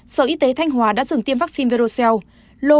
sở y tế thanh hóa đã dừng tiêm vaccine